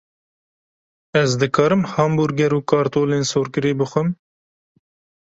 Ez dikarim hambûrger û kartolên sorkirî bixwim?